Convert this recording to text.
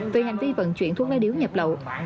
về hành vi vận chuyển thuốc lá điếu nhập lậu